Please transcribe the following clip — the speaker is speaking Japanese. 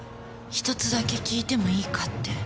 １つだけ訊いてもいいかって。